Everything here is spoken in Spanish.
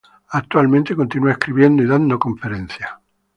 Actualmente continúa escribiendo y dando conferencias.